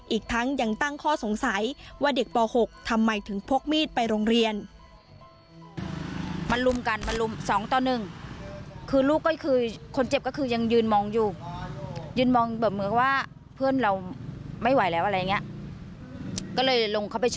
อีกทั้งยังตั้งข้อสงสัยว่าเด็กป๖ทำไมถึงพกมีดไปโรงเรียน